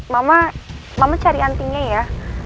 mama mama cari antingnya ya